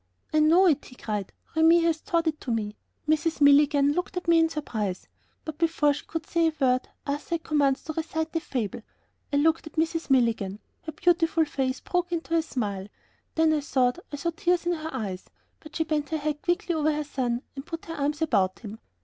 "I know it!" he cried. "Remi has taught it to me." Mrs. Milligan looked at me in surprise, but before she could say a word Arthur had commenced to recite the fable. I looked at Mrs. Milligan: her beautiful face broke into a smile; then I thought I saw tears in her eyes, but she bent her head quickly over her son and put her arms about him.